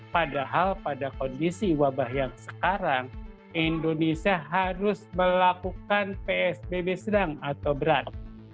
padahal pada kondisi wabah yang sekarang indonesia harus melakukan psbb sedang atau berat